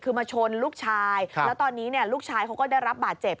คือมาชนลูกชายแล้วตอนนี้เนี่ยลูกชายเขาก็ได้รับบาดเจ็บ